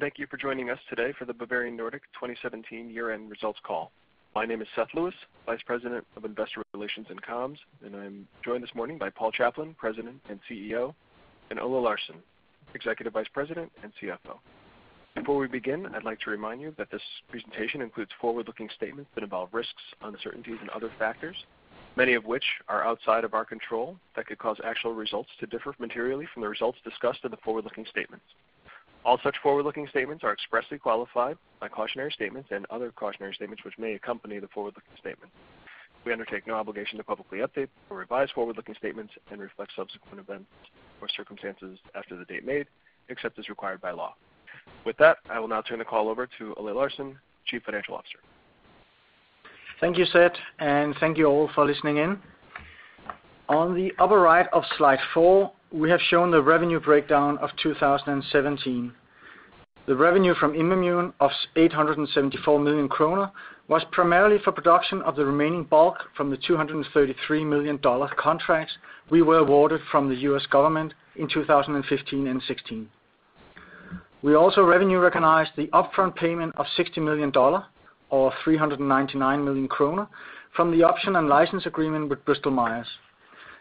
Thank you for joining us today for the Bavarian Nordic 2017 year-end results call. My name is Seth Lewis, Vice President of Investor Relations and Comms, and I'm joined this morning by Paul Chaplin, President and CEO, and Ole Larsen, Executive Vice President and CFO. Before we begin, I'd like to remind you that this presentation includes forward-looking statements that involve risks, uncertainties, and other factors, many of which are outside of our control, that could cause actual results to differ materially from the results discussed in the forward-looking statements. All such forward-looking statements are expressly qualified by cautionary statements and other cautionary statements which may accompany the forward-looking statements. We undertake no obligation to publicly update or revise forward-looking statements and reflect subsequent events or circumstances after the date made, except as required by law. With that, I will now turn the call over to Ole Larsen, Chief Financial Officer. Thank you, Seth, and thank you all for listening in. On the upper right of slide four, we have shown the revenue breakdown of 2017. The revenue from IMVAMUNE of 874 million kroner was primarily for production of the remaining bulk from the $233 million contracts we were awarded from the U.S. government in 2015 and 2016. We also revenue recognized the upfront payment of $60 million, or 399 million kroner, from the option and license agreement with Bristol-Myers,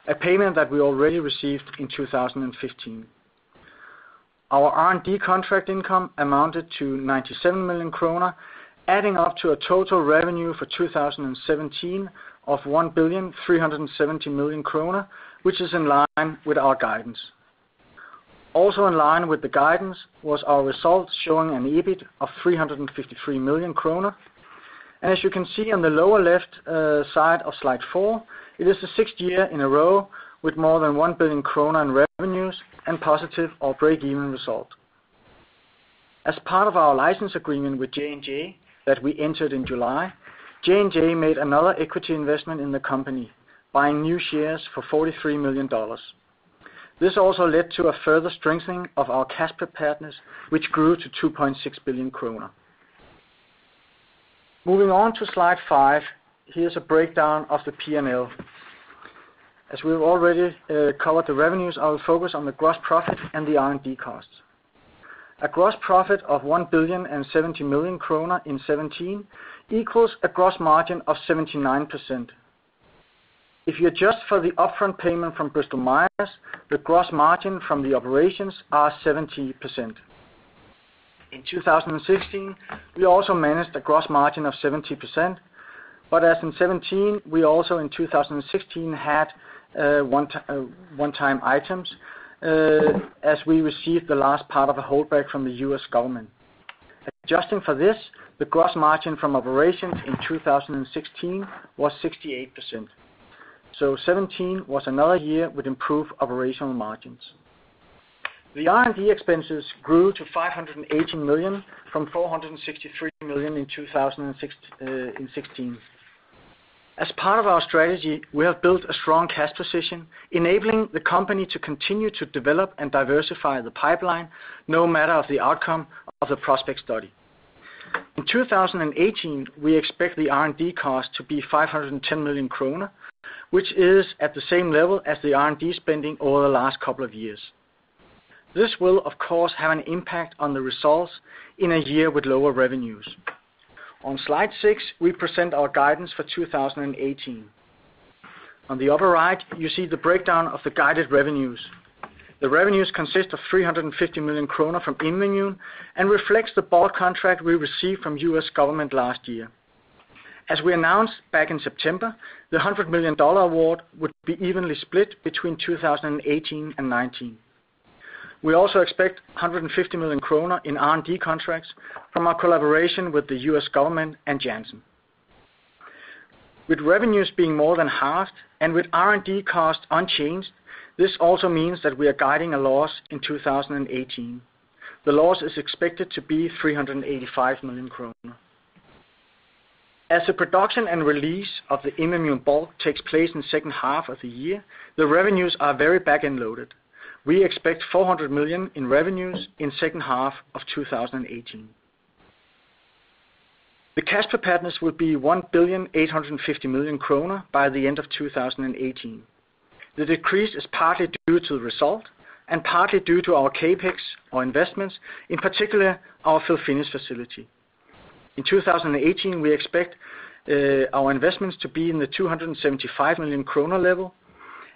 a payment that we already received in 2015. Our R&D contract income amounted to 97 million kroner, adding up to a total revenue for 2017 of 1.37 billion, which is in line with our guidance. In line with the guidance was our results showing an EBIT of 353 million kroner. As you can see on the lower left side of slide four, it is the sixth year in a row with more than 1 billion krone in revenues and positive or break-even result. As part of our license agreement with J&J that we entered in July, J&J made another equity investment in the company, buying new shares for $43 million. This also led to a further strengthening of our cash preparedness, which grew to 2.6 billion kroner. Moving on to slide 5, here's a breakdown of the P&L. As we've already covered the revenues, I will focus on the gross profit and the R&D costs. A gross profit of 1.07 billion in 2017 equals a gross margin of 79%. If you adjust for the upfront payment from Bristol-Myers, the gross margin from the operations are 70%. In 2016, we also managed a gross margin of 70%, but as in 2017, we also in 2016 had one-time items, as we received the last part of a holdback from the U.S. government. Adjusting for this, the gross margin from operations in 2016 was 68%. 2017 was another year with improved operational margins. The R&D expenses grew to 580 million from 463 million in 2016. As part of our strategy, we have built a strong cash position, enabling the company to continue to develop and diversify the pipeline, no matter of the outcome of the PROSPECT study. In 2018, we expect the R&D cost to be 510 million kroner, which is at the same level as the R&D spending over the last couple of years. This will, of course, have an impact on the results in a year with lower revenues. On slide 6, we present our guidance for 2018. On the upper right, you see the breakdown of the guided revenues. The revenues consist of 350 million kroner from IMVAMUNE and reflects the bulk contract we received from the U.S. government last year. As we announced back in September, the $100 million award would be evenly split between 2018 and 2019. We also expect 150 million kroner in R&D contracts from our collaboration with the U.S. government and Johnson & Johnson. With revenues being more than halved and with R&D costs unchanged, this also means that we are guiding a loss in 2018. The loss is expected to be 385 million kroner. As the production and release of the IMVAMUNE bulk takes place in the second half of the year, the revenues are very back-end loaded. We expect 400 million in revenues in second half of 2018. The cash preparedness will be 1,850 million kroner by the end of 2018. The decrease is partly due to the result and partly due to our CapEx, our investments, in particular, our fill-finish facility. In 2018, we expect our investments to be in the 275 million kroner level,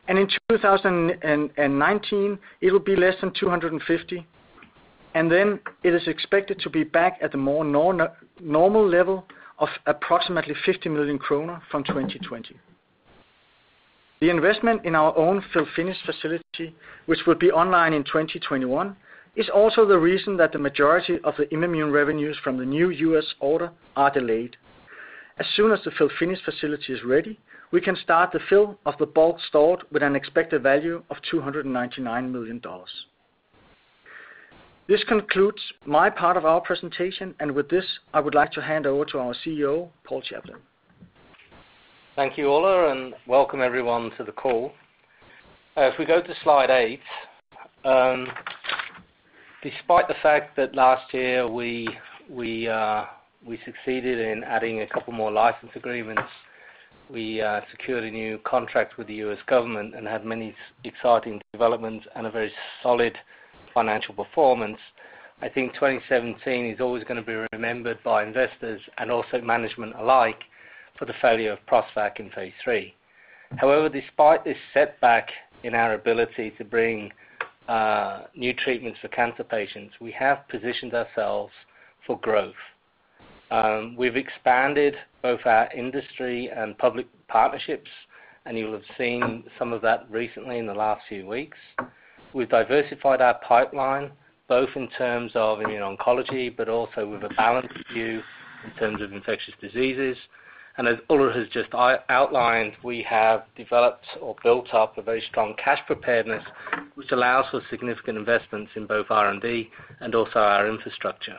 in 2019, it will be less than 250 million, and then it is expected to be back at the more normal level of approximately 50 million kroner from 2020. The investment in our own fill-finish facility, which will be online in 2021, is also the reason that the majority of the IMVAMUNE revenues from the new U.S. order are delayed. As soon as the fill-finish facility is ready, we can start the fill of the bulk stored with an expected value of $299 million. This concludes my part of our presentation, and with this, I would like to hand over to our CEO, Paul Chaplin. Thank you, Ole, and welcome everyone to the call. If we go to slide eight, despite the fact that last year we succeeded in adding a couple more license agreements, we secured a new contract with the U.S. government and had many exciting developments and a very solid financial performance. I think 2017 is always going to be remembered by investors and also management alike for the failure of PROSTVAC in phase III. However, despite this setback in our ability to bring new treatments for cancer patients, we have positioned ourselves for growth. We've expanded both our industry and public partnerships, and you'll have seen some of that recently in the last few weeks. We've diversified our pipeline, both in terms of immuno-oncology, but also with a balanced view in terms of infectious diseases. As Ole has just outlined, we have developed or built up a very strong cash preparedness, which allows for significant investments in both R&D and also our infrastructure.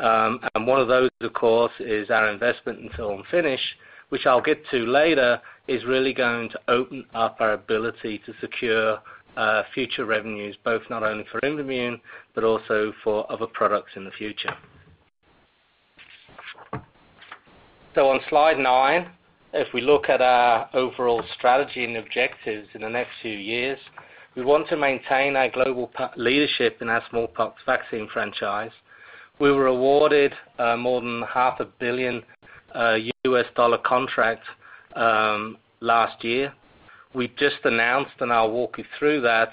And one of those, of course, is our investment in fill-and-finish, which I'll get to later, is really going to open up our ability to secure future revenues, both not only for IMVAMUNE, but also for other products in the future. On slide nine, if we look at our overall strategy and objectives in the next few years, we want to maintain our global leadership in our smallpox vaccine franchise. We were awarded more than half a $0.5 billion contract last year. We just announced, and I'll walk you through that,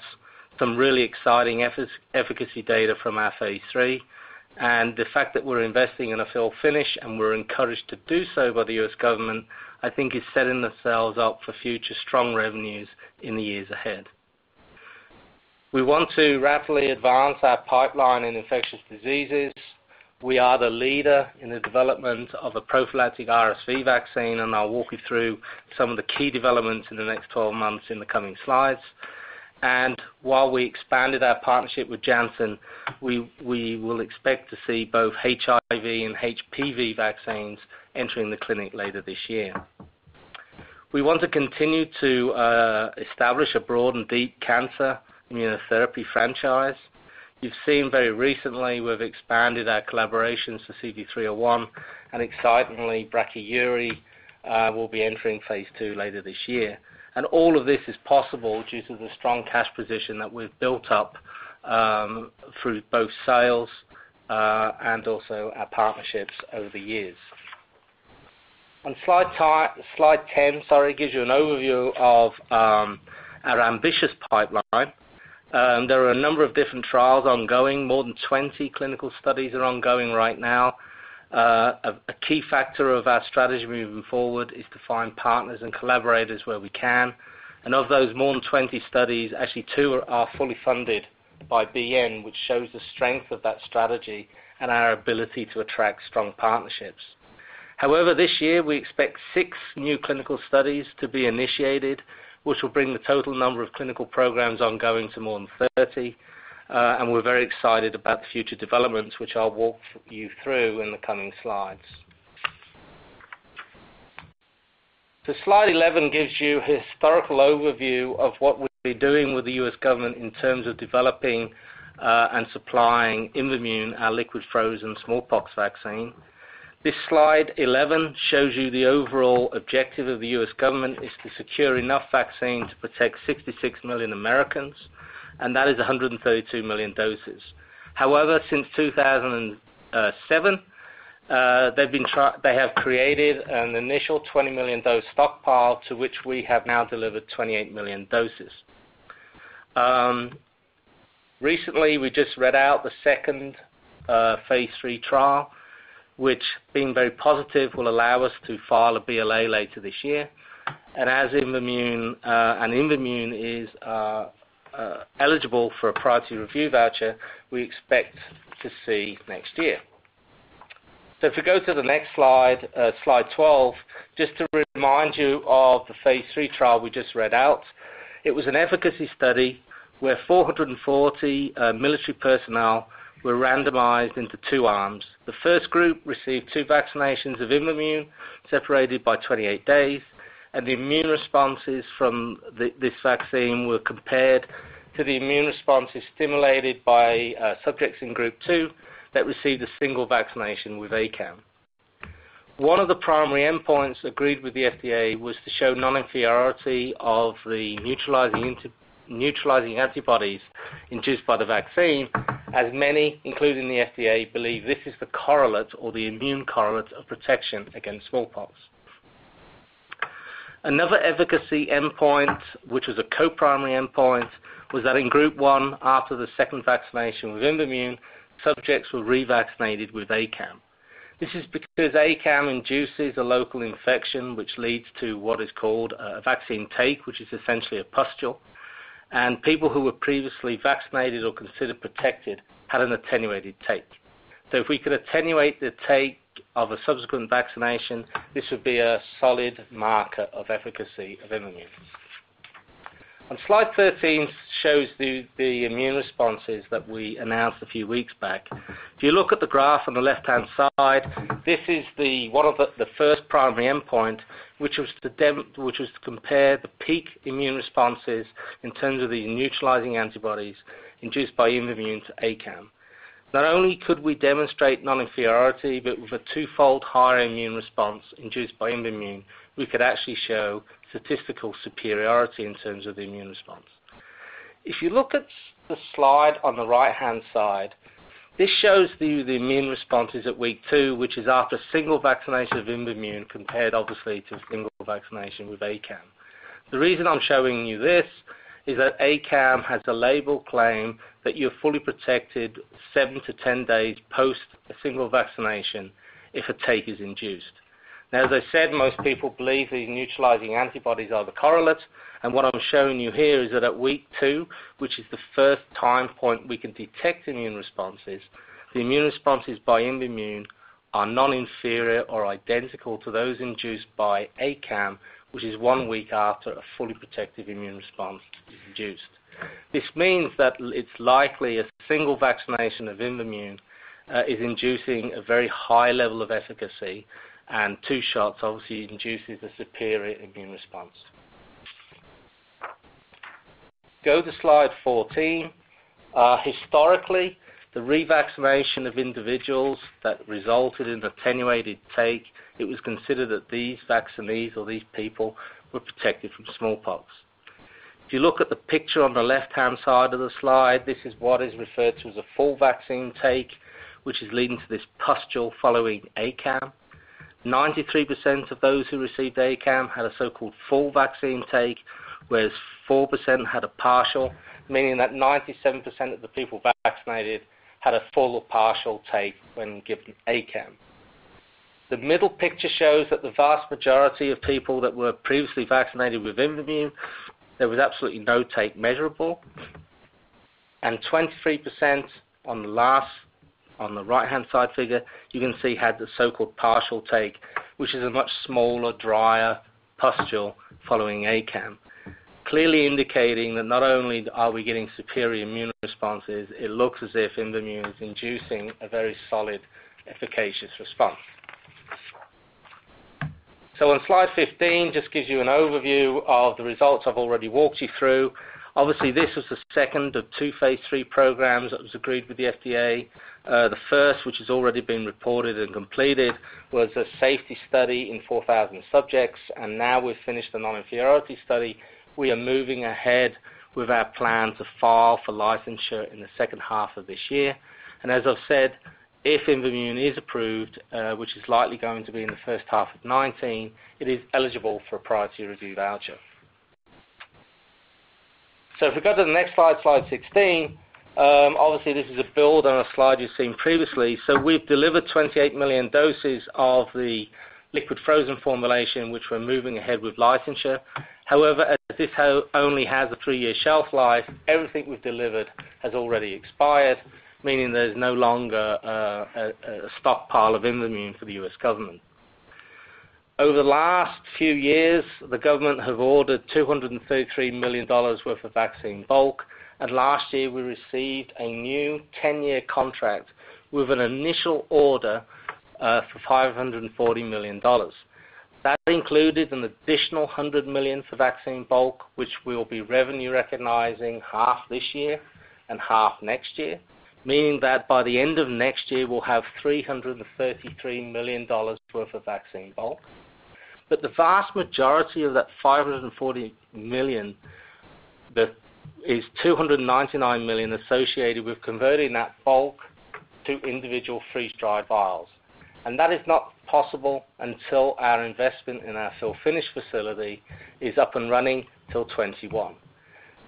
some really exciting efficacy data from our phase III. The fact that we're investing in a fill-and-finish, and we're encouraged to do so by the U.S. government, I think is setting ourselves up for future strong revenues in the years ahead. We want to rapidly advance our pipeline in infectious diseases. We are the leader in the development of a prophylactic RSV vaccine. I'll walk you through some of the key developments in the next 12 months in the coming slides. While we expanded our partnership with Johnson & Johnson, we will expect to see both HIV and HPV vaccines entering the clinic later this year. We want to continue to establish a broad and deep cancer immunotherapy franchise. You've seen very recently, we've expanded our collaborations to CV301, and excitedly, brachyury will be entering phase II later this year. All of this is possible due to the strong cash position that we've built up through both sales and also our partnerships over the years. On slide 10, sorry, gives you an overview of our ambitious pipeline. There are a number of different trials ongoing. More than 20 clinical studies are ongoing right now. A key factor of our strategy moving forward is to find partners and collaborators where we can. Of those more than 20 studies, actually, two are fully funded by BN, which shows the strength of that strategy and our ability to attract strong partnerships. However, this year, we expect six new clinical studies to be initiated, which will bring the total number of clinical programs ongoing to more than 30, and we're very excited about the future developments, which I'll walk you through in the coming slides. Slide 11 gives you a historical overview of what we've been doing with the U.S. government in terms of developing and supplying IMVAMUNE, our liquid frozen smallpox vaccine. This slide 11 shows you the overall objective of the U.S. government is to secure enough vaccine to protect 66 million Americans, and that is 132 million doses. However, since 2007, they have created an initial 20 million dose stockpile, to which we have now delivered 28 million doses. Recently, we just read out the second phase III trial, which being very positive, will allow us to file a BLA later this year. As IMVAMUNE, and IMVAMUNE is eligible for a priority review voucher, we expect to see next year. If you go to the next slide 12, just to remind you of the phase III trial we just read out, it was an efficacy study where 440 military personnel were randomized into two arms. The first group received two vaccinations of IMVAMUNE, separated by 28 days, and the immune responses from this vaccine were compared to the immune responses stimulated by subjects in group two that received a single vaccination with ACAM. One of the primary endpoints agreed with the FDA was to show non-inferiority of the neutralizing antibodies induced by the vaccine, as many, including the FDA, believe this is the correlate or the immune correlate of protection against smallpox. Another efficacy endpoint, which was a co-primary endpoint, was that in group one, after the second vaccination with IMVAMUNE, subjects were revaccinated with ACAM. This is because ACAM induces a local infection, which leads to what is called a vaccine take, which is essentially a pustule, and people who were previously vaccinated or considered protected had an attenuated take. If we could attenuate the take of a subsequent vaccination, this would be a solid marker of efficacy of IMVAMUNE. On Slide 13 shows the immune responses that we announced a few weeks back. If you look at the graph on the left-hand side, this is one of the first primary endpoint, which was to compare the peak immune responses in terms of the neutralizing antibodies induced by IMVAMUNE to ACAM. Not only could we demonstrate non-inferiority, but with a two-fold higher immune response induced by IMVAMUNE, we could actually show statistical superiority in terms of the immune response. If you look at the slide on the right-hand side, this shows you the immune responses at week 2, which is after single vaccination of IMVAMUNE, compared obviously, to single vaccination with ACAM. The reason I'm showing you this is that ACAM has a label claim that you're fully protected 7 days-10 days post a single vaccination if a take is induced. As I said, most people believe these neutralizing antibodies are the correlates, and what I'm showing you here is that at week 2, which is the first time point we can detect immune responses, the immune responses by IMVAMUNE are non-inferior or identical to those induced by ACAM, which is one week after a fully protective immune response is induced. This means that it's likely a single vaccination of IMVAMUNE is inducing a very high level of efficacy, and two shots, obviously, induces a superior immune response. Go to slide 14. Historically, the revaccination of individuals that resulted in attenuated take, it was considered that these vaccinees or these people were protected from smallpox. If you look at the picture on the left-hand side of the slide, this is what is referred to as a full vaccine take, which is leading to this pustule following ACAM. 93% of those who received ACAM had a so-called full vaccine take, whereas 4% had a partial, meaning that 97% of the people vaccinated had a full or partial take when given ACAM. The middle picture shows that the vast majority of people that were previously vaccinated with IMVAMUNE, there was absolutely no take measurable, and 23% on the last, on the right-hand side figure, you can see had the so-called partial take, which is a much smaller, drier pustule following ACAM, clearly indicating that not only are we getting superior immune responses, it looks as if IMVAMUNE is inducing a very solid, efficacious response. On slide 15, just gives you an overview of the results I've already walked you through. Obviously, this was the second of two phase III programs that was agreed with the FDA. The first, which has already been reported and completed, was a safety study in 4,000 subjects, and now we've finished the non-inferiority study. We are moving ahead with our plan to file for licensure in the second half of this year. As I've said, if IMVAMUNE is approved, which is likely going to be in the first half of 2019, it is eligible for a priority review voucher. If we go to the next slide 16, obviously, this is a build on a slide you've seen previously. We've delivered 28 million doses of the liquid frozen formulation, which we're moving ahead with licensure. As this only has a three-year shelf life, everything we've delivered has already expired, meaning there's no longer a stockpile of IMVAMUNE for the U.S. government. Over the last few years, the government have ordered $233 million worth of vaccine bulk. Last year we received a new 10-year contract with an initial order for $540 million. That included an additional $100 million for vaccine bulk, which we'll be revenue recognizing half this year and half next year, meaning that by the end of next year, we'll have $333 million worth of vaccine bulk. The vast majority of that $540 million, that is $299 million associated with converting that bulk to individual freeze-dried vials. That is not possible until our investment in our fill finish facility is up and running till 2021.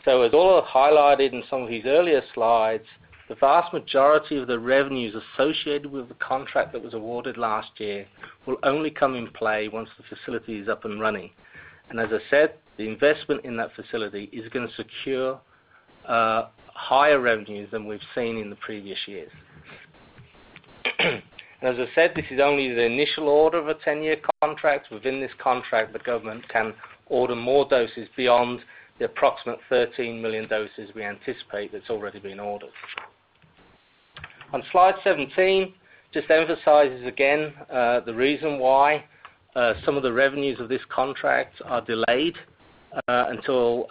As Ole highlighted in some of his earlier slides, the vast majority of the revenues associated with the contract that was awarded last year will only come in play once the facility is up and running. As I said, the investment in that facility is gonna secure higher revenues than we've seen in the previous years. As I said, this is only the initial order of a 10-year contract. Within this contract, the government can order more doses beyond the approximate 13 million doses we anticipate that's already been ordered. On slide 17, just emphasizes again, the reason why some of the revenues of this contract are delayed until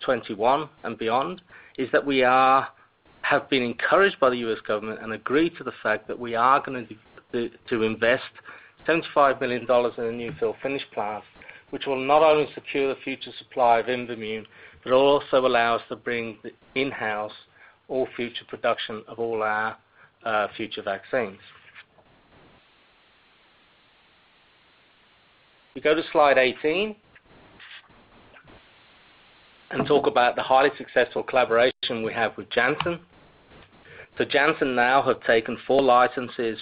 2021 and beyond, is that we have been encouraged by the U.S. government and agree to the fact that we are gonna to invest $75 million in a new fill finish plant, which will not only secure the future supply of IMVAMUNE, but it will also allow us to bring in-house all future production of all our future vaccines. We go to slide 18, talk about the highly successful collaboration we have with Johnson & Johnson. Johnson & Johnson now have taken four licenses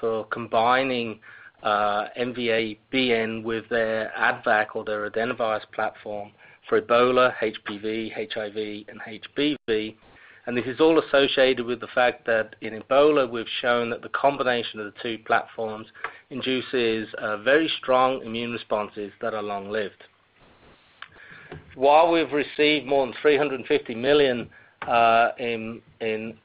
for combining MVA-BN with their AdVac or their adenovirus platform for Ebola, HPV, HIV, and HBV. This is all associated with the fact that in Ebola, we've shown that the combination of the two platforms induces very strong immune responses that are long-lived. While we've received more than 350 million in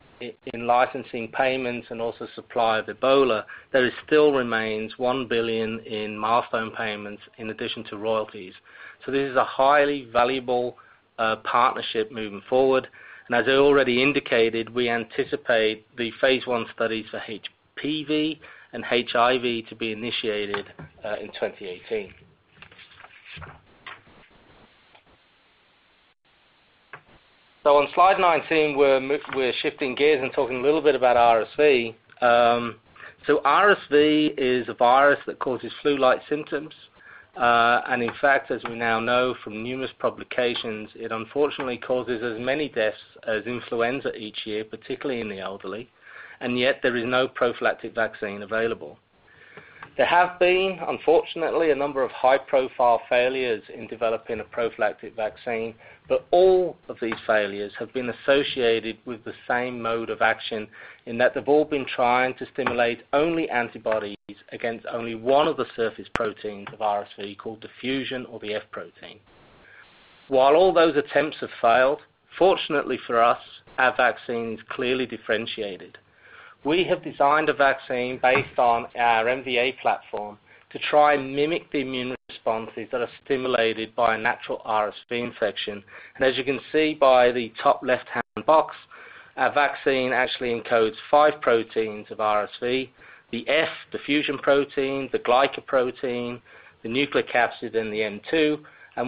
licensing payments and also supply of Ebola, there still remains 1 billion in milestone payments in addition to royalties. This is a highly valuable partnership moving forward. As I already indicated, we anticipate the phase I studies for HPV and HIV to be initiated in 2018. On Slide 19, we're shifting gears and talking a little bit about RSV. RSV is a virus that causes flu-like symptoms. In fact, as we now know from numerous publications, it unfortunately causes as many deaths as influenza each year, particularly in the elderly, yet there is no prophylactic vaccine available. There have been, unfortunately, a number of high-profile failures in developing a prophylactic vaccine, all of these failures have been associated with the same mode of action in that they've all been trying to stimulate only antibodies against only one of the surface proteins of RSV, called fusion, or the F protein. While all those attempts have failed, fortunately for us, our vaccine is clearly differentiated. We have designed a vaccine based on our MVA platform to try and mimic the immune responses that are stimulated by a natural RSV infection. As you can see by the top left-hand box, our vaccine actually encodes 5 proteins of RSV, the F, the fusion protein, the glycoprotein, the nucleocapsid, and the N2.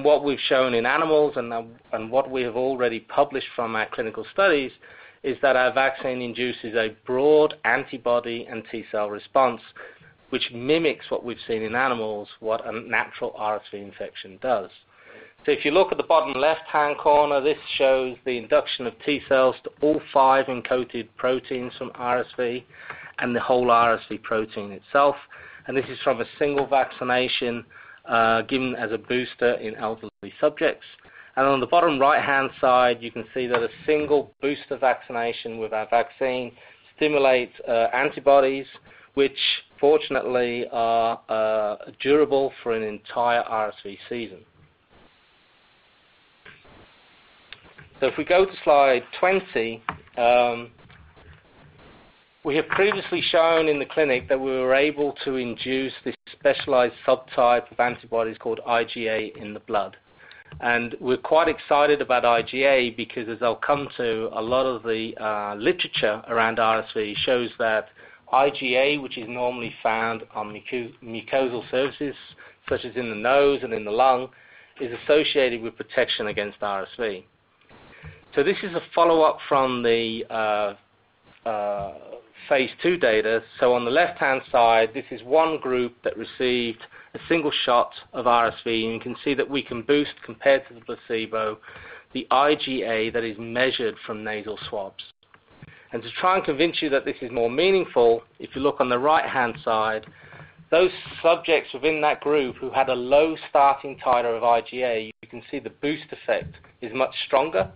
What we've shown in animals, and what we have already published from our clinical studies, is that our vaccine induces a broad antibody and T cell response, which mimics what we've seen in animals, what a natural RSV infection does. If you look at the bottom left-hand corner, this shows the induction of T cells to all 5 encoded proteins from RSV and the whole RSV protein itself, and this is from a single vaccination given as a booster in elderly subjects. On the bottom right-hand side, you can see that a single booster vaccination with our vaccine stimulates antibodies which fortunately are durable for an entire RSV season. If we go to slide 20, we have previously shown in the clinic that we were able to induce this specialized subtype of antibodies called IgA in the blood. We're quite excited about IgA because as I'll come to, a lot of the literature around RSV shows that IgA, which is normally found on mucosal surfaces, such as in the nose and in the lung, is associated with protection against RSV. This is a follow-up from the phase II data. On the left-hand side, this is one group that received a single shot of RSV, and you can see that we can boost compared to the placebo, the IgA that is measured from nasal swabs. To try and convince you that this is more meaningful, if you look on the right-hand side, those subjects within that group who had a low starting titer of IgA, you can see the boost effect is much stronger,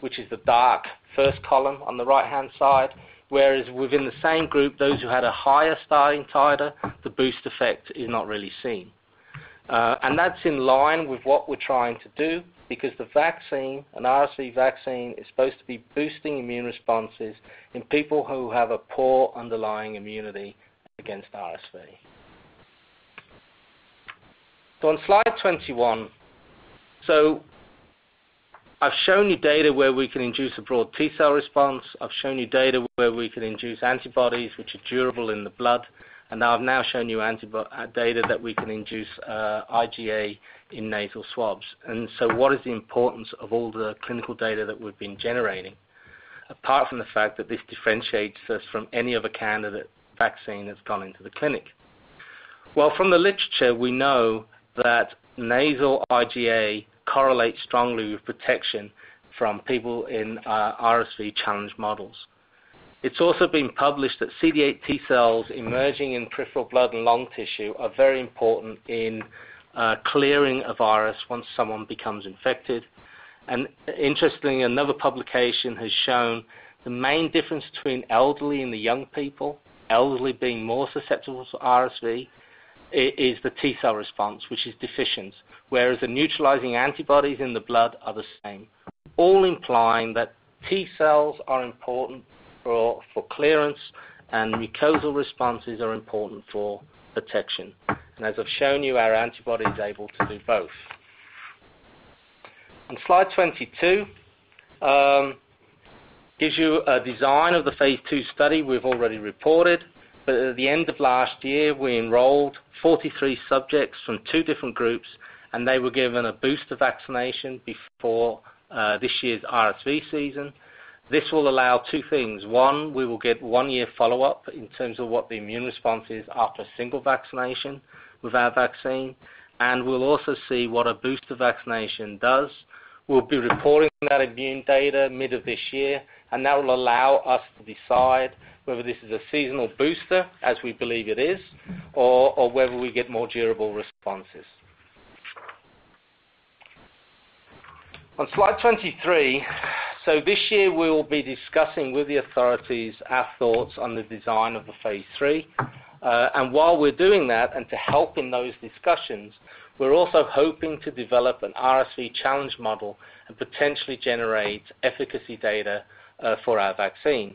which is the dark first column on the right-hand side. Within the same group, those who had a higher starting titer, the boost effect is not really seen. That's in line with what we're trying to do, because the vaccine, an RSV vaccine, is supposed to be boosting immune responses in people who have a poor underlying immunity against RSV. On slide 21. I've shown you data where we can induce a broad T cell response. I've shown you data where we can induce antibodies, which are durable in the blood. I've now shown you antibi—data that we can induce, IgA in nasal swabs. What is the importance of all the clinical data that we've been generating, apart from the fact that this differentiates us from any other candidate vaccine that's gone into the clinic? From the literature, we know that nasal IgA correlates strongly with protection from people in, RSV challenged models. It's also been published that CD8 T cells emerging in peripheral blood and lung tissue are very important in, clearing a virus once someone becomes infected. Interestingly, another publication has shown the main difference between elderly and the young people, elderly being more susceptible to RSV, is the T cell response, which is deficient, whereas the neutralizing antibodies in the blood are the same. All implying that T cells are important for clearance, and mucosal responses are important for protection. As I've shown you, our antibody is able to do both. On slide 22, gives you a design of the phase II study we've already reported. At the end of last year, we enrolled 43 subjects from two different groups, and they were given a booster vaccination before this year's RSV season. This will allow two things. One, we will get one-year follow-up in terms of what the immune response is after a single vaccination with our vaccine, and we'll also see what a booster vaccination does. We'll be reporting that immune data mid of this year, and that will allow us to decide whether this is a seasonal booster, as we believe it is, or whether we get more durable responses. On slide 23, this year we will be discussing with the authorities our thoughts on the design of the phase III. While we're doing that, and to help in those discussions, we're also hoping to develop an RSV challenge model and potentially generate efficacy data for our vaccine.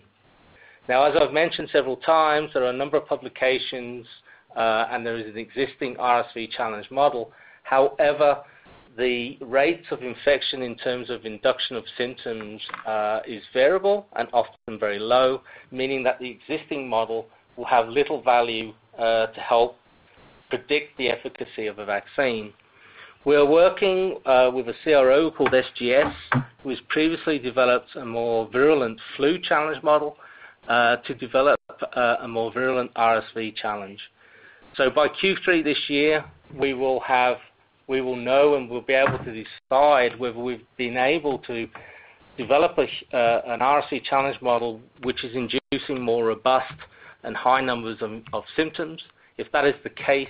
Now, as I've mentioned several times, there are a number of publications, there is an existing RSV challenge model. The rates of infection in terms of induction of symptoms is variable and often very low, meaning that the existing model will have little value to help predict the efficacy of a vaccine. We are working with a CRO called SGS, who has previously developed a more virulent flu challenge model to develop a more virulent RSV challenge. By Q3 this year, we will know and we'll be able to decide whether we've been able to develop an RSV challenge model, which is inducing more robust and high numbers of symptoms. If that is the case,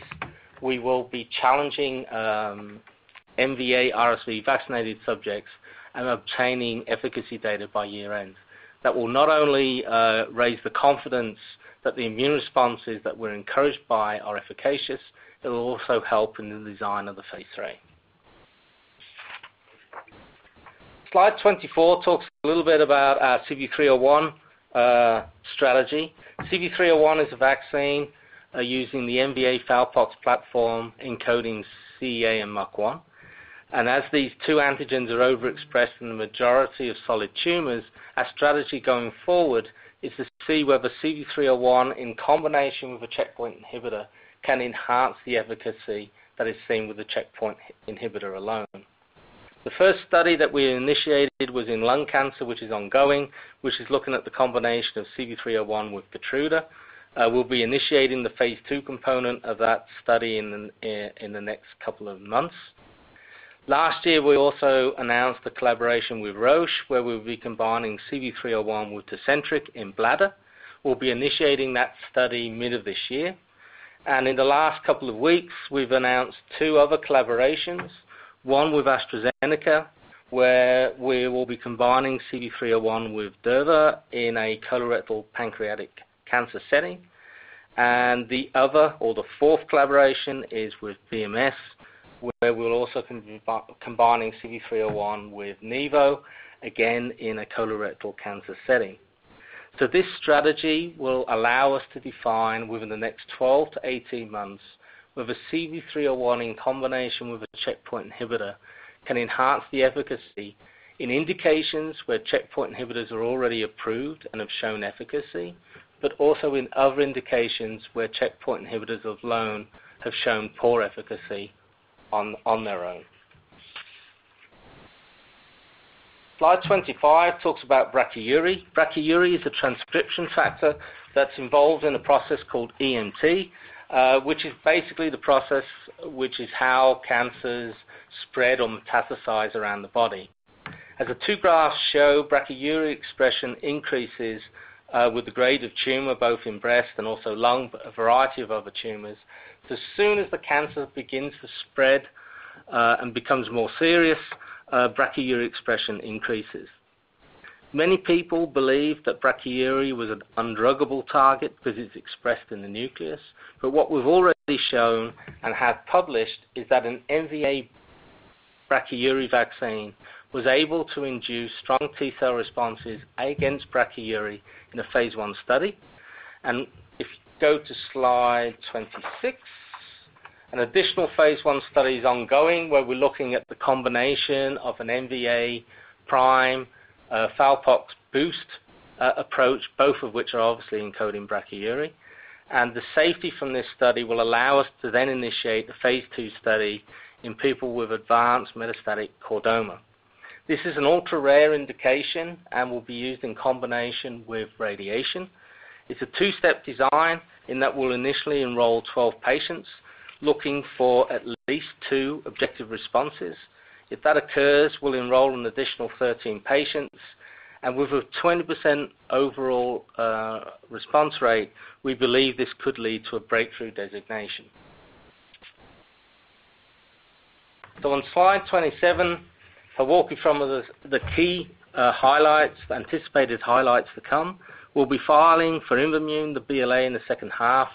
we will be challenging MVA RSV vaccinated subjects and obtaining efficacy data by year-end. That will not only raise the confidence that the immune responses that we're encouraged by are efficacious, it will also help in the design of the phase III. Slide 24 talks a little bit about our CV301 strategy. CV301 is a vaccine using the MVA Fowlpox platform encoding CEA and MUC1. As these two antigens are overexpressed in the majority of solid tumors, our strategy going forward is to see whether CV301, in combination with a checkpoint inhibitor, can enhance the efficacy that is seen with the checkpoint inhibitor alone. The first study that we initiated was in lung cancer, which is ongoing, which is looking at the combination of CV301 with KEYTRUDA. We'll be initiating the phase II component of that study in the next couple of months. Last year, we also announced the collaboration with Roche, where we'll be combining CV301 with Tecentriq in bladder. We'll be initiating that study mid of this year. In the last couple of weeks, we've announced two other collaborations. One with AstraZeneca, where we will be combining CV301 with Durvalumab in a colorectal pancreatic cancer setting. The other, or the fourth collaboration, is with BMS, where we'll also combining CV301 withNivolumab, again in a colorectal cancer setting. This strategy will allow us to define within the next 12 months to 18 months, whether CV301 in combination with a checkpoint inhibitor, can enhance the efficacy in indications where checkpoint inhibitors are already approved and have shown efficacy, but also in other indications where checkpoint inhibitors of alone have shown poor efficacy on their own. Slide 25 talks about Brachyury. Brachyury is a transcription factor that's involved in a process called EMT, which is basically the process which is how cancers spread or metastasize around the body. As the two graphs show, brachyury expression increases with the grade of tumor, both in breast and also lung, but a variety of other tumors. As soon as the cancer begins to spread, and becomes more serious, brachyury expression increases. Many people believe that brachyury was an undruggable target because it's expressed in the nucleus. What we've already shown and have published, is that an MVA brachyury vaccine was able to induce strong T cell responses against brachyury in a phase I study. If you go to slide 26, an additional phase I study is ongoing, where we're looking at the combination of an MVA prime, Fowlpox boost, approach, both of which are obviously encoding brachyury. The safety from this study will allow us to then initiate a phase II study in people with advanced metastatic chordoma. This is an ultra-rare indication and will be used in combination with radiation. It's a two-step design, in that we'll initially enroll 12 patients, looking for at least 2 objective responses. If that occurs, we'll enroll an additional 13 patients, with a 20% overall response rate, we believe this could lead to a breakthrough designation. On slide 27, I'll walk you from the key highlights, the anticipated highlights to come. We'll be filing for IMVAMUNE, the BLA in the second half,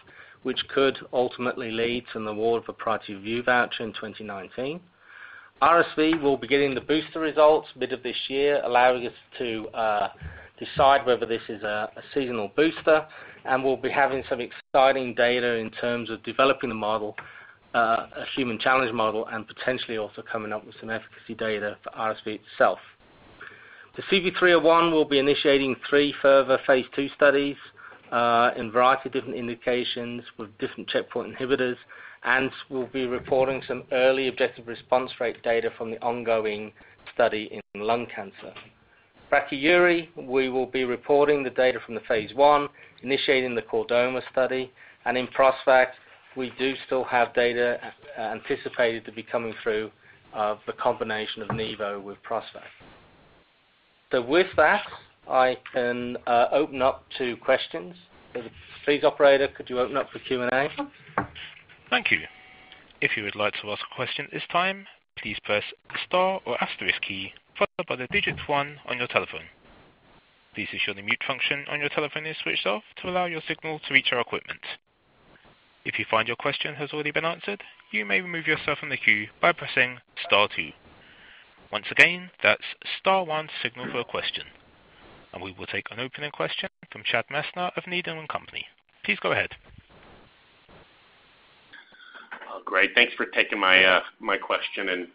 which could ultimately lead to an award for Priority Review Voucher in 2019. RSV will be getting the booster results mid of this year, allowing us to decide whether this is a seasonal booster. We'll be having some exciting data in terms of developing a model, a human challenge model, and potentially also coming up with some efficacy data for RSV itself. The CV301 will be initiating three further phase II studies, in a variety of different indications with different checkpoint inhibitors, and we'll be reporting some early objective response rate data from the ongoing study in lung cancer. brachyury, we will be reporting the data from the phase I, initiating the chordoma study, and in PROSPECT, we do still have data anticipated to be coming through of the combination of Nivolumab with PROSPECT. With that, I can open up to questions. Please, operator, could you open up for Q&A? Thank you. If you would like to ask a question at this time, please press the star or asterisk key, followed by the digit one on your telephone. Please ensure the mute function on your telephone is switched off to allow your signal to reach our equipment. If you find your question has already been answered, you may remove yourself from the queue by pressing star two. Once again, that's star one, signal for a question. We will take an opening question from Chad Messer of Needham & Company. Please go ahead. Well, great. Thanks for taking my question,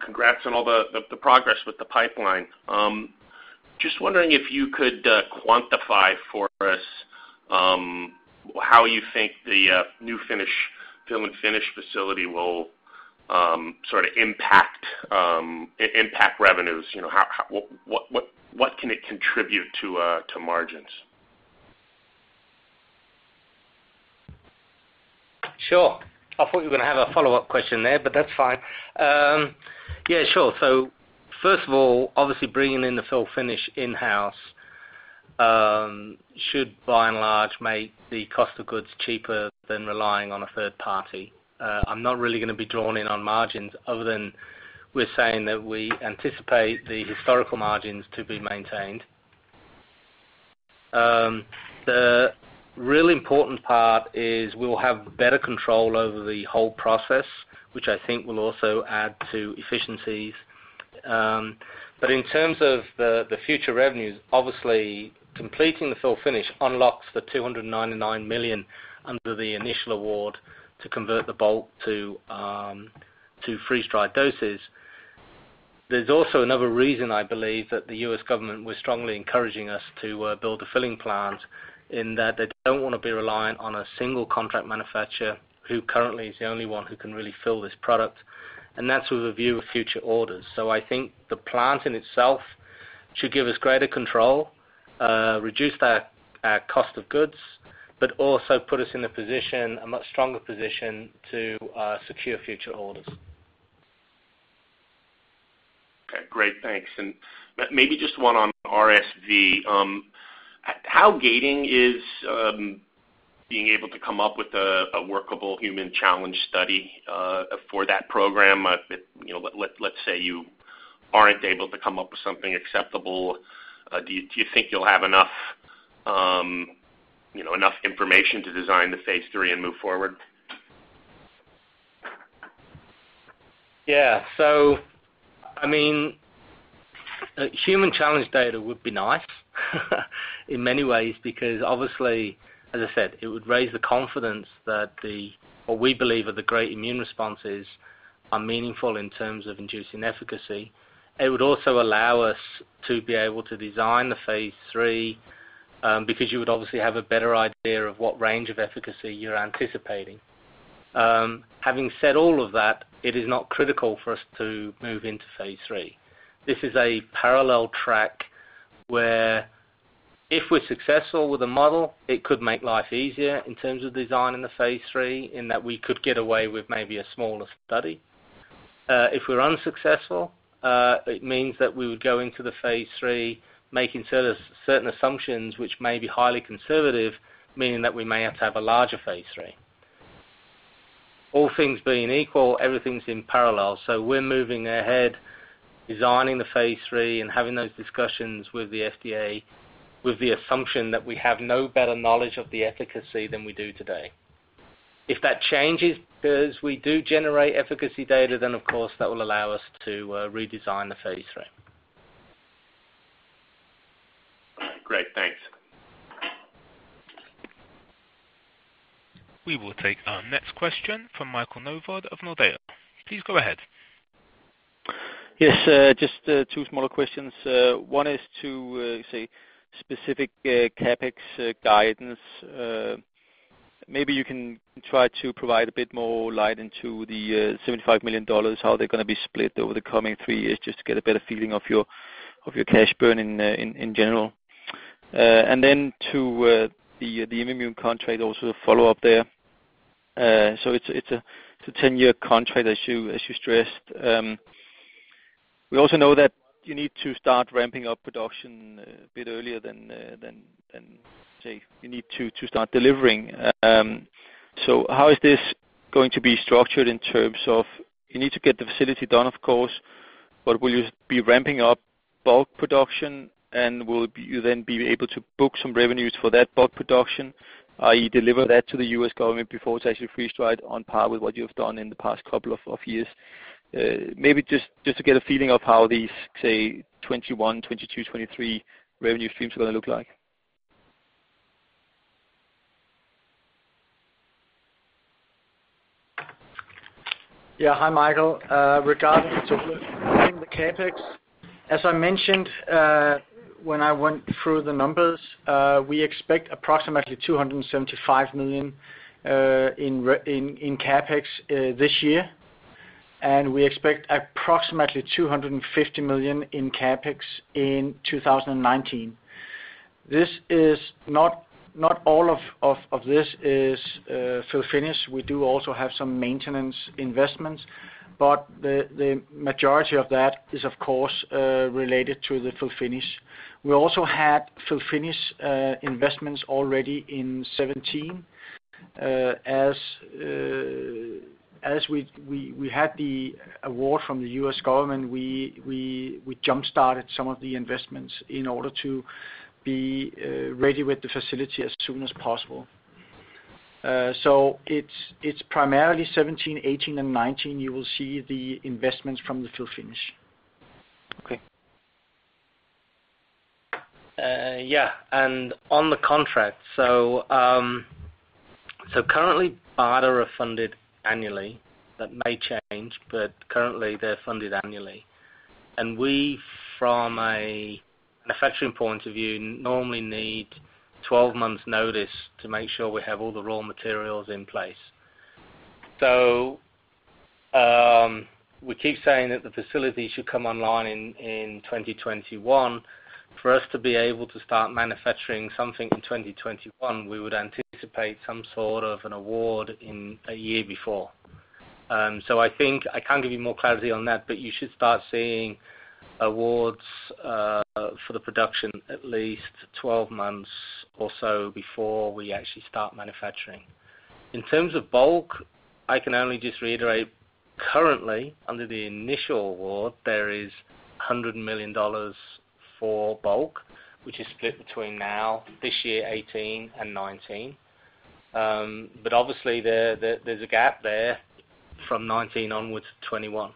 congrats on all the progress with the pipeline. Just wondering if you could quantify for us how you think the new finish, fill-and-finish facility will sort of impact revenues? You know, how what can it contribute to margins? Sure. I thought you were gonna have a follow-up question there, but that's fine. Yeah, sure. First of all, obviously, bringing in the fill-finish in-house, should, by and large, make the cost of goods cheaper than relying on a third party. I'm not really gonna be drawn in on margins other than we're saying that we anticipate the historical margins to be maintained. The really important part is we'll have better control over the whole process, which I think will also add to efficiencies. In terms of the future revenues, obviously, completing the fill-finish unlocks the 299 million under the initial award to convert the bulk to freeze-dried doses. There's also another reason I believe that the U.S. government was strongly encouraging us to build a filling plant, in that they don't wanna be reliant on a single contract manufacturer who currently is the only one who can really fill this product, and that's with a view of future orders. I think the plant in itself should give us greater control, reduce our cost of goods, but also put us in a position, a much stronger position to secure future orders. Okay, great. Thanks. Maybe just one on RSV. How gating is being able to come up with a workable human challenge study for that program? You know, let's say you aren't able to come up with something acceptable, do you think you'll have enough, you know, enough information to design the phase III and move forward? I mean, human challenge data would be nice, in many ways, because obviously, as I said, it would raise the confidence that what we believe are the great immune responses are meaningful in terms of inducing efficacy. It would also allow us to be able to design the phase III, because you would obviously have a better idea of what range of efficacy you're anticipating. Having said all of that, it is not critical for us to move into phase III. This is a parallel track where if we're successful with the model, it could make life easier in terms of designing the phase III, in that we could get away with maybe a smaller study. If we're unsuccessful, it means that we would go into the phase III, making certain assumptions, which may be highly conservative, meaning that we may have to have a larger phase III. All things being equal, everything's in parallel. We're moving ahead, designing the phase III and having those discussions with the FDA, with the assumption that we have no better knowledge of the efficacy than we do today. If that changes, because we do generate efficacy data, of course, that will allow us to redesign the phase III. Great. Thanks. We will take our next question from Michael Novod of Nordea. Please go ahead. Yes, just two smaller questions. One is to say specific CapEx guidance. Maybe you can try to provide a bit more light into the DKK 75 million, how they're gonna be split over the coming three years, just to get a better feeling of your cash burn in general. Then to the Immuno contract, also a follow-up there. It's a 10-year contract, as you stressed. We also know that you need to start ramping up production a bit earlier than say you need to start delivering. How is this going to be structured in terms of you need to get the facility done, of course, but will you be ramping up bulk production, and will you then be able to book some revenues for that bulk production, i.e., deliver that to the U.S. government before it's actually freeze-dried on par with what you've done in the past couple of years? Maybe just to get a feeling of how these, say, 2021, 2022, 2023 revenue streams are gonna look like. Yeah. Hi, Michael. Regarding to the CapEx, as I mentioned, when I went through the numbers, we expect approximately 275 million in CapEx this year, and we expect approximately 250 million in CapEx in 2019. This is not all of this is fill-finish. We do also have some maintenance investments, the majority of that is, of course, related to the fill-finish. We also had fill-finish investments already in 2017. As we had the award from the U.S. government, we jump-started some of the investments in order to be ready with the facility as soon as possible. It's primarily 2017, 2018, and 2019, you will see the investments from the fill-finish. Okay. Yeah, on the contract. Currently BARDA are funded annually. That may change, but currently they're funded annually. We, from a manufacturing point of view, normally need 12 months notice to make sure we have all the raw materials in place. We keep saying that the facility should come online in 2021. For us to be able to start manufacturing something in 2021, we would anticipate some sort of an award in a year before. I think I can't give you more clarity on that, but you should start seeing awards for the production at least 12 months or so before we actually start manufacturing. In terms of bulk, I can only just reiterate, currently, under the initial award, there is DKK 100 million for bulk, which is split between now, this year, 2018 and 2019. Obviously there's a gap there from 2019 onwards to 2021.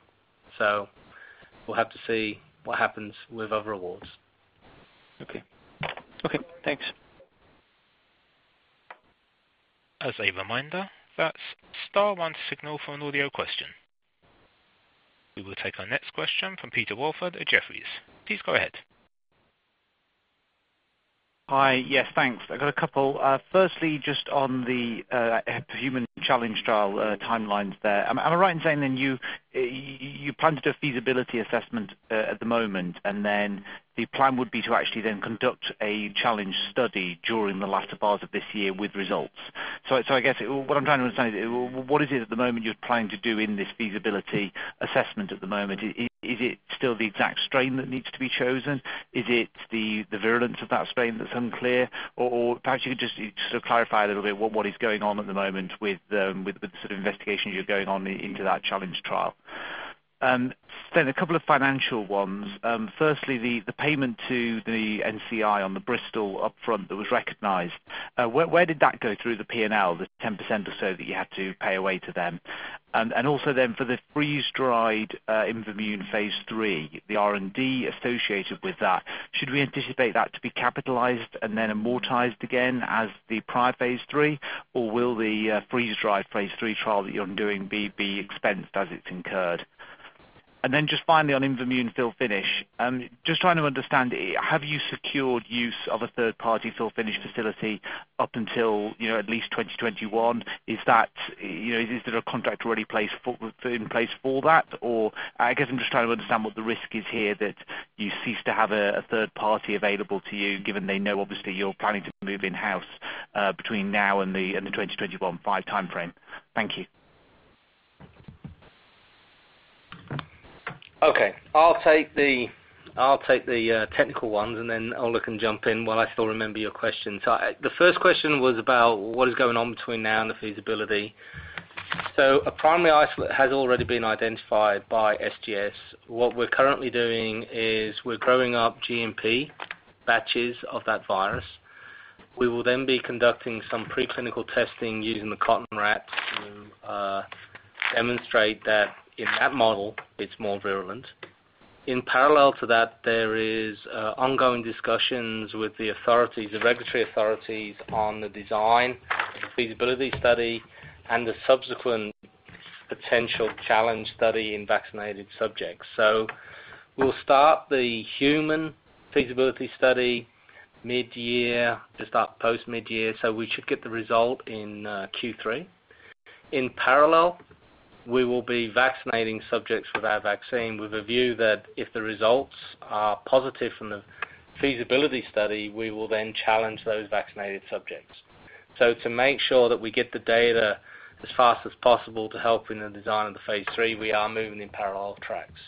We'll have to see what happens with other awards. Okay. Okay, thanks. As a reminder, that's star one to signal for an audio question. We will take our next question from Peter Welford at Jefferies. Please go ahead. Hi. Yes, thanks. I've got a couple. Firstly, just on the human challenge trial, timelines there. Am I right in saying then you planned a feasibility assessment at the moment, and then the plan would be to actually then conduct a challenge study during the latter part of this year with results? I guess what I'm trying to understand, what is it at the moment you're planning to do in this feasibility assessment at the moment? Is it still the exact strain that needs to be chosen? Is it the virulence of that strain that's unclear? Or perhaps you could just sort of clarify a little bit what is going on at the moment with the sort of investigation you're going on into that challenge trial. A couple of financial ones. firstly, the payment to the NCI on the Bristol upfront that was recognized, where did that go through the P&L, the 10% or so that you had to pay away to them? also then for the freeze-dried IMVAMUNE phase III, the R&D associated with that, should we anticipate that to be capitalized and then amortized again as the prior phase III, or will the freeze-dried phase III trial that you're doing be expensed as it's incurred? just finally, on IMVAMUNE fill finish. just trying to understand, have you secured use of a third-party fill finish facility up until, you know, at least 2021? Is that, you know, is there a contract already placed for, in place for that? I guess I'm just trying to understand what the risk is here, that you cease to have a third party available to you, given they know obviously you're planning to move in-house, between now and the 2025 time frame. Thank you. Okay. I'll take the technical ones, and then Ole can jump in while I still remember your question. The first question was about what is going on between now and the feasibility. A primary isolate has already been identified by SGS. What we're currently doing is we're growing up GMP batches of that virus. We will then be conducting some preclinical testing using the cotton rats to demonstrate that in that model, it's more relevant. In parallel to that, there is ongoing discussions with the authorities, the regulatory authorities, on the design of the feasibility study and the subsequent potential challenge study in vaccinated subjects. We'll start the human feasibility study mid-year, just up post mid-year, we should get the result in Q3. In parallel, we will be vaccinating subjects with our vaccine, with a view that if the results are positive from the feasibility study, we will then challenge those vaccinated subjects. To make sure that we get the data as fast as possible to help in the design of the phase III, we are moving in parallel tracks.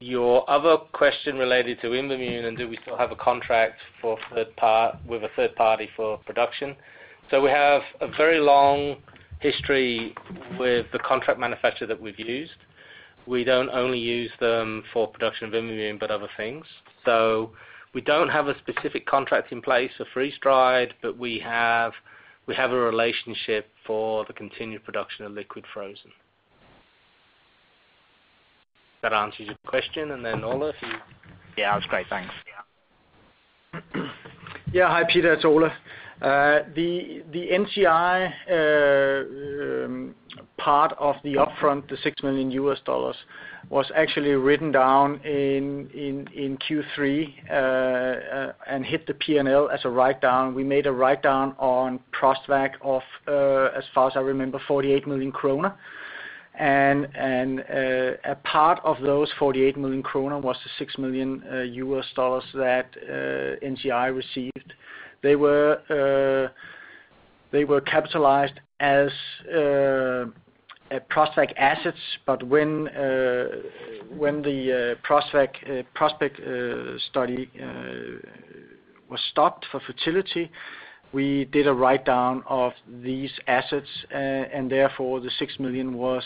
Your other question related to IMVAMUNE, do we still have a contract for with a third party for production? We have a very long history with the contract manufacturer that we've used. We don't only use them for production of IMVAMUNE, but other things. We don't have a specific contract in place for freeze-dried, but we have a relationship for the continued production of liquid-frozen. That answers your question. Ole, if you... Yeah, that's great. Thanks. Yeah. Hi, Peter, it's Ole. The NCI, part of the upfront, the $6 million was actually written down in Q3, and hit the P&L as a write-down. We made a write-down on PROSTVAC of, as far as I remember, 48 million kroner. A part of those 48 million kroner was the $6 million that NCI received. They were capitalized as a PROSTVAC assets, but when the PROSTVAC PROSPECT study was stopped for fertility, we did a write-down of these assets. Therefore, the $6 million was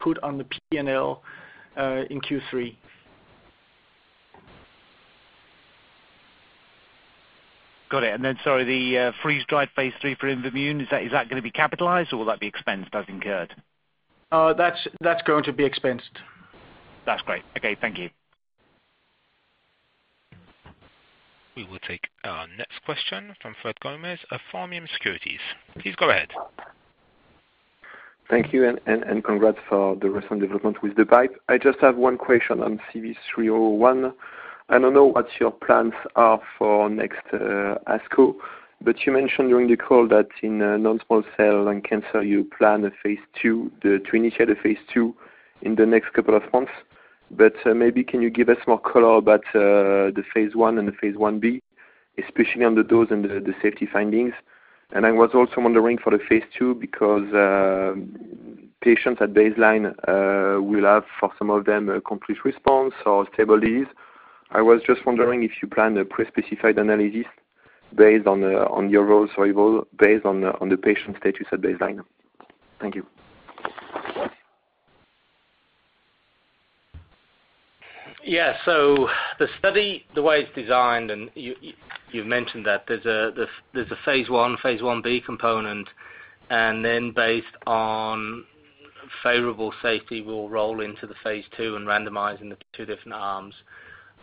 put on the P&L in Q3. Got it. Then, sorry, the freeze-dried phase III for IMVAMUNE, is that going to be capitalized, or will that be expensed as incurred? That's going to be expensed. That's great. Okay. Thank you. We will take our next question from Frédéric Gomez of Pharmium Securities. Please go ahead. Thank you, and congrats for the recent development with the pipe. I just have one question on CV301. I don't know what your plans are for next ASCO, but you mentioned during the call that in non-small cell lung cancer, you plan to initiate a phase II in the next couple of months. Maybe can you give us more color about the phase I and the phase Ib, especially on the dose and the safety findings? I was also wondering for the phase II, because patients at baseline will have, for some of them, a complete response or stable disease. I was just wondering if you plan a prespecified analysis based on your role survival, based on the patient status at baseline. Thank you. The study, the way it's designed, and you've mentioned that there's a phase I, phase Ib component, and then based on favorable safety, we'll roll into the phase II and randomize into two different arms.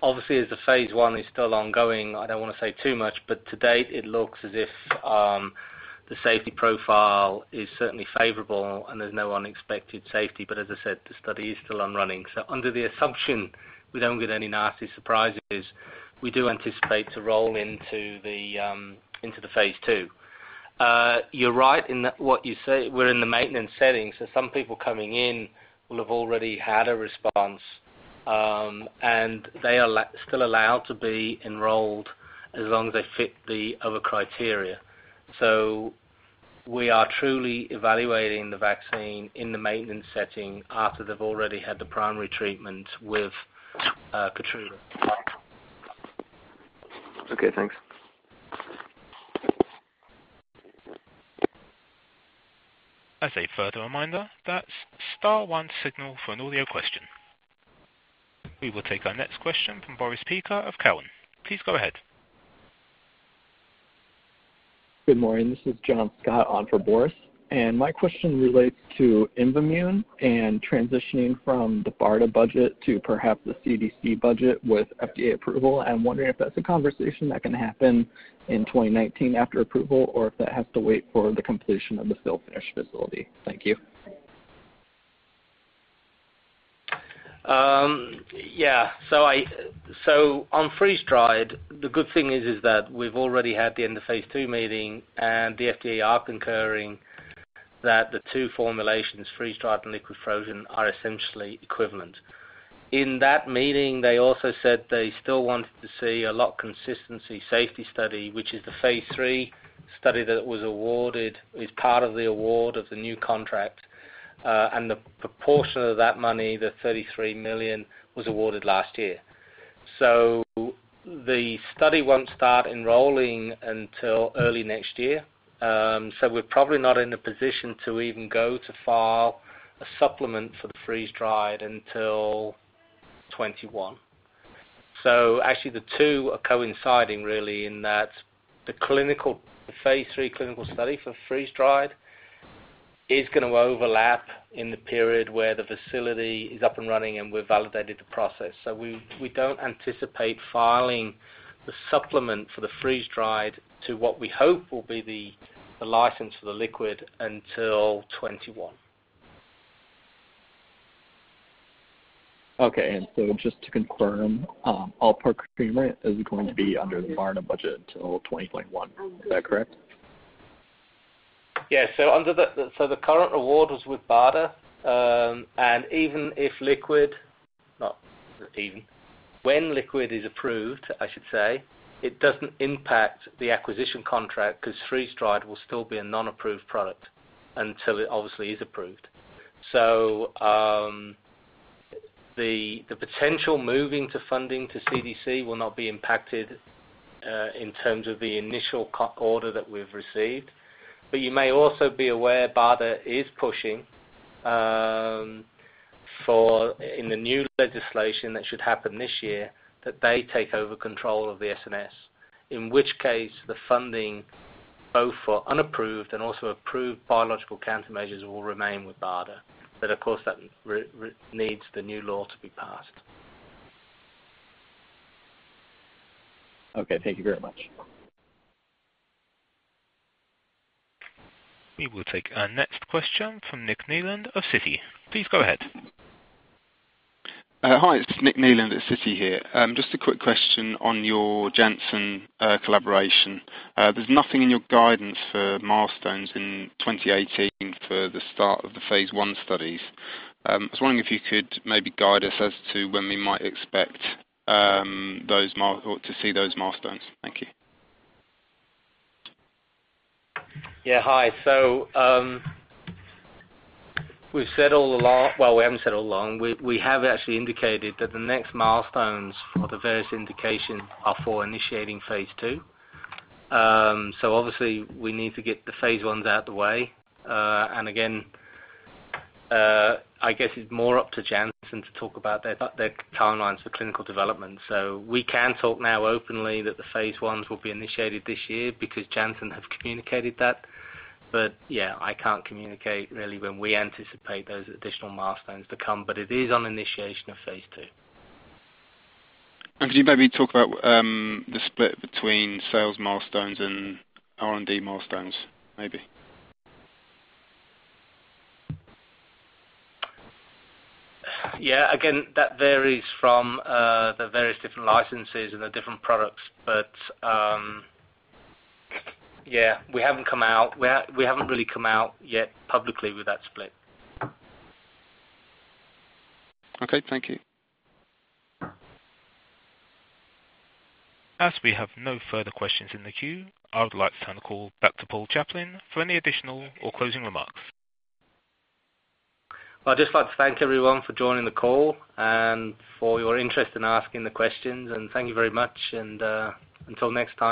As the phase I is still ongoing, I don't wanna say too much, but to date, it looks as if the safety profile is certainly favorable and there's no unexpected safety. As I said, the study is still on running. Under the assumption we don't get any nasty surprises, we do anticipate to roll into the phase II. You're right in that what you say, we're in the maintenance setting, some people coming in will have already had a response, and they are still allowed to be enrolled as long as they fit the other criteria. We are truly evaluating the vaccine in the maintenance setting after they've already had the primary treatment with KEYTRUDA. Okay, thanks. As a further reminder, that's star one signal for an audio question. We will take our next question from Boris Peaker of Cowen. Please go ahead. Good morning. This is John Coates on for Boris. My question relates to IMVAMUNE and transitioning from the BARDA budget to perhaps the CDC budget with FDA approval. I'm wondering if that's a conversation that can happen in 2019 after approval, or if that has to wait for the completion of the fill/finish facility. Thank you. Yeah. On freeze-dried, the good thing is that we've already had the end of phase II meeting, and the FDA are concurring that the two formulations, freeze-dried and liquid frozen, are essentially equivalent. In that meeting, they also said they still wanted to see a lot consistency, safety study, which is the phase III study that was awarded, as part of the award of the new contract, and the proportion of that money, the 33 million, was awarded last year. The study won't start enrolling until early next year. We're probably not in a position to even go to file a supplement for the freeze-dried until 2021. Actually the two are coinciding really in that the clinical, phase III clinical study for freeze-dried is gonna overlap in the period where the facility is up and running, and we've validated the process. We don't anticipate filing the supplement for the freeze-dried to what we hope will be the license for the liquid until 2021. Okay. Just to confirm, all procurement is going to be under the BARDA budget until 2021. Is that correct? Yeah. The current award was with BARDA. Even if liquid, not even, when liquid is approved, I should say, it doesn't impact the acquisition contract, 'cause freeze-dried will still be a non-approved product until it obviously is approved. The potential moving to funding to CDC will not be impacted in terms of the initial order that we've received. You may also be aware, BARDA is pushing for, in the new legislation, that should happen this year, that they take over control of the SNS, in which case, the funding, both for unapproved and also approved biological countermeasures, will remain with BARDA. Of course, that needs the new law to be passed. Okay, thank you very much. We will take our next question from Nick Nieland of Citi. Please go ahead. Hi, it's Nick Nieland at Citi here. Just a quick question on your Johnson & Johnson collaboration. There's nothing in your guidance for milestones in 2018 for the start of the phase I studies. I was wondering if you could maybe guide us as to when we might expect to see those milestones. Thank you. Yeah, hi. We've said all along... Well, we haven't said all along. We have actually indicated that the next milestones for the various indications are for initiating phase II. Obviously we need to get the phase Is out of the way. Again, I guess it's more up to Johnson & Johnson to talk about their timelines for clinical development. We can talk now openly that the phase Is will be initiated this year because Johnson & Johnson have communicated that. Yeah, I can't communicate really when we anticipate those additional milestones to come, but it is on initiation of phase II. Could you maybe talk about, the split between sales milestones and R&D milestones, maybe? Again, that varies from the various different licenses and the different products. We haven't come out, we haven't really come out yet publicly with that split. Okay, thank you. As we have no further questions in the queue, I would like to turn the call back to Paul Chaplin for any additional or closing remarks. I'd just like to thank everyone for joining the call and for your interest in asking the questions. Thank you very much. Until next time.